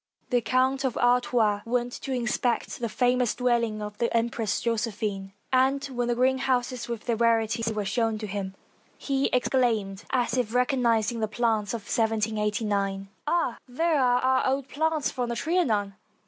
The Count of Artois went to inspect the famous dwell ing of the Empress Josephine, and when the greenhouses, with their rarities, were shown him, he exclaimed, as if recognizing the plants of 1789: — "Ah! there are our old plants from the Trianon!"